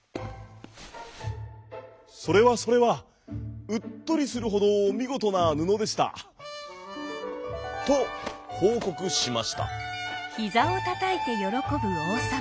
「それはそれはうっとりするほどみごとなぬのでした」。とほうこくしました。